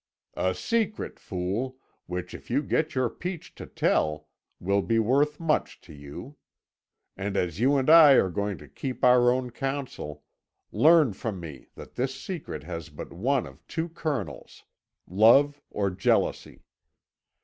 "A secret, fool, which, if you get your peach to tell, will be worth much to you. And as you and I are going to keep our own counsel, learn from me that this secret has but one of two kernels. Love or jealousy.